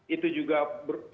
itu juga perubahan dimensi